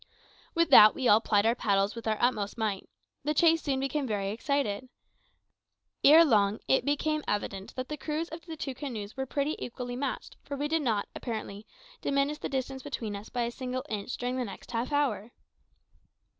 '" With that we all plied our paddles with our utmost might. The chase soon became very exciting. Ere long it became evident that the crews of the two canoes were pretty equally matched, for we did not, apparently, diminish the distance between us by a single inch during the next half hour.